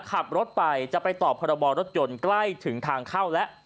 ขับรถไปจะไปต่อพรบรถยนต์ใกล้ถึงทางเข้าแล้ว